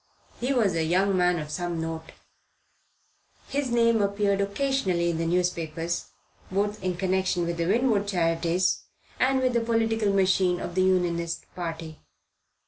He was a young man of some note. His name appeared occasionally in the newspapers, both in connection with the Winwood charities and with the political machine of the Unionist party.